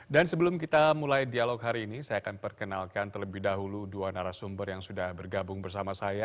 sebelum kita mulai dialog hari ini saya akan perkenalkan terlebih dahulu dua narasumber yang sudah bergabung bersama saya